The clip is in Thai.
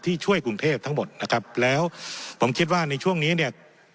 ช่วยกรุงเทพทั้งหมดนะครับแล้วผมคิดว่าในช่วงนี้เนี่ย